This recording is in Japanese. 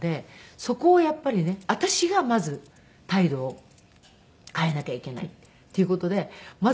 そこをやっぱりね私がまず態度を変えなきゃいけないっていう事でまず。